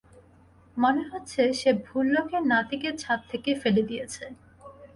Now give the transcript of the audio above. মনে হচ্ছে সে ভুল লোকের নাতিকে ছাদ থেকে ফেলে দিয়েছে।